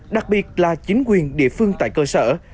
đặc biệt là chính quyền địa phương tại cơ sở